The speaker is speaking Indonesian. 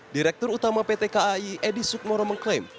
direktur utama pt kai edi sukmoro mengklaim